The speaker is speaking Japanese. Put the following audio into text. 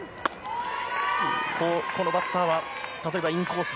このバッターは例えば、インコースの